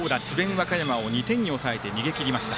和歌山を２点に抑えて逃げきりました。